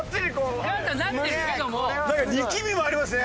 何か力みもありますね。